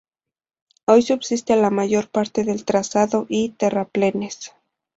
Hoy subsiste la mayor parte del trazado y terraplenes.